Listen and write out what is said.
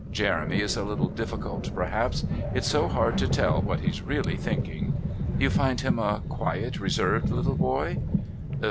Jeremy is a little difficult perhaps. It's so hard to tell what he's really thinking. You find him a quiet, reserved little boy?"